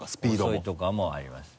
遅いとかもありますね。